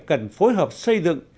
cần phối hợp xây dựng